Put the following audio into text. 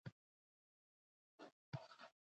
د افغانستان جغرافیه کې پابندی غرونه ستر اهمیت لري.